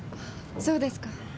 そうですか。